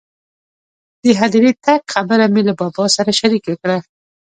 د هدیرې تګ خبره مې له بابا سره شریکه کړه.